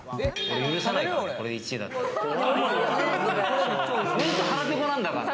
許さないからね、１位だったら。